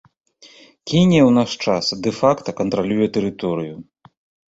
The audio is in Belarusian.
Кенія ў наш час дэ-факта кантралюе тэрыторыю.